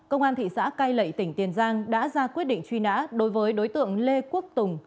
công an thị xã cai lậy tỉnh tiền giang đã ra quyết định truy nã đối với đối tượng lê quốc tùng